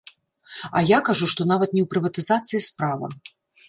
А я кажу, што нават не ў прыватызацыі справа.